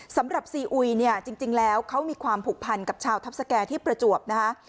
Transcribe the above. สำหรับซีอุยเนี่ยจริงแล้วเขามีความผูกพันกับชาวทัพสแก่ที่ประจวบนะคะ